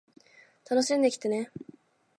楽しんできてね